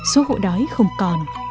số hộ đói không còn